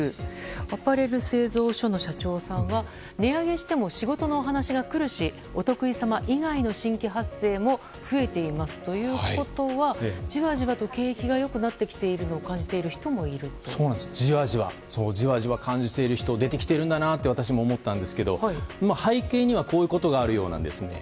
アパレル製造所の社長さんは値上げしても仕事のお話が来るしお得意様以外の新規発生も増えていますということはじわじわと景気が良くなってきていることをじわじわ感じている人が出てきているんだなと私も思ったんですが背景には、こういうことがあるようなんですね。